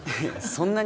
そんなに？